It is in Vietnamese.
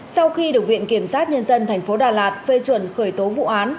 sau khi đồng viện kiểm sát nhân dân thành phố đà lạt phê chuẩn khởi tố vụ án